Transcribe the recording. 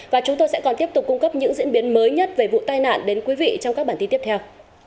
các cơ quan tiếp tục cung cấp những diễn biến mới nhất về vụ tai nạn đến quý vị trong các bản tin tiếp theo